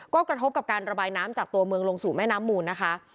ก็กระทบกับการระบายน้ำจากตัวเมืองลงสู่แม่น้ำมูลนะคะ